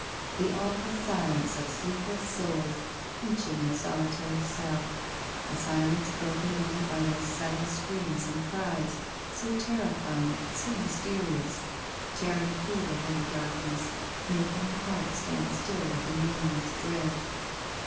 The awful silence of sleepless souls, each in their solitary cell; a silence broken only by those sudden screams and cries, so terrifying, so mysterious, tearing through the heavy darkness, making the heart stand still with a nameless dread.